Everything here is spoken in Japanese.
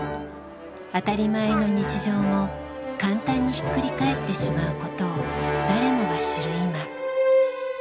「当たり前の日常」も簡単にひっくり返ってしまうことを誰もが知る今。